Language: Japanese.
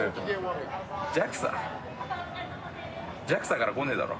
ＪＡＸＡからこねえだろ。